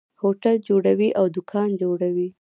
هوټل جوړوي او دکان جوړوي.